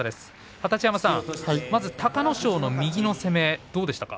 二十山さん隆の勝の右の攻めどうでしたか？